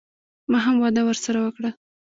ما هم وعده ورسره وکړه.